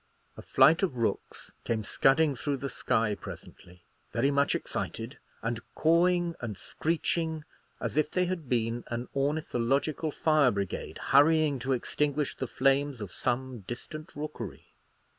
A flight of rooks came scudding through the sky presently, very much excited, and cawing and screeching as if they had been an ornithological fire brigade hurrying to extinguish the flames of some distant rookery.